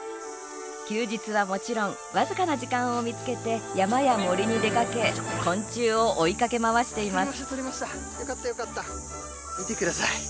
休日は、もちろん僅かな時間を見つけて山や森に出かけ昆虫を追いかけ回しています。